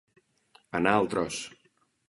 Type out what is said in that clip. Anar al tros.